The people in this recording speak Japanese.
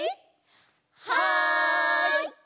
はい！